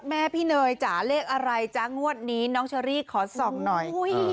แม่พี่เนยจ๋าเลขอะไรจ๊ะงวดนี้น้องเชอรี่ขอส่องหน่อย